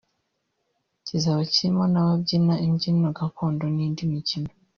kizaba kirimo n’ababyina imbyino gakondo n’indi mikino